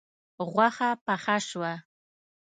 غوښه پخه شوه